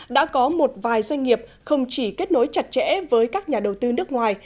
đã có một vài doanh nghiệp không chỉ kết nối chặt chẽ với các nhà đầu tư nước ngoài